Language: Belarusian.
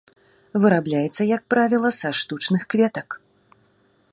Вырабляецца, як правіла, са штучных кветак.